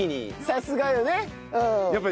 さすがよねうん。